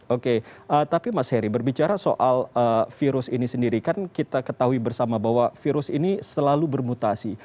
oke tapi mas heri berbicara soal virus ini sendiri kan kita ketahui bersama bahwa virus ini selalu bermutasi